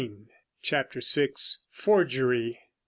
CHAPTER VI. FORGERY.